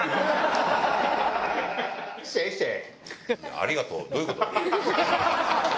「ありがとう」どういう事？